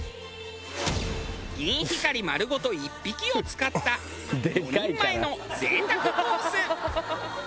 ギンヒカリ丸ごと１匹を使った４人前の贅沢コース。